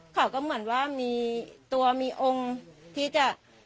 เขาก็เหมือนว่ามีตัวมีองค์ที่จะ